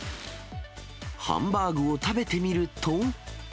ハンバーグを食べてみると。